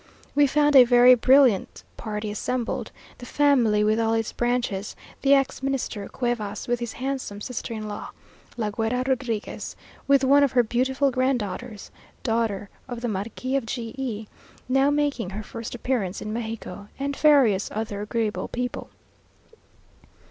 We found a very brilliant party assembled; the family with all its branches, the Ex Minister Cuevas, with his handsome sister in law, La Guera Rodriguez, with one of her beautiful granddaughters (daughter of the Marquis of G e), now making her first appearance in Mexico, and various other agreeable people.